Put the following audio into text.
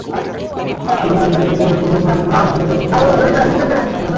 করমজলে রয়েছে বন্য প্রাণী প্রজনন কেন্দ্র এবং কুমির, হরিণ, বানরসহ নানা প্রাণী।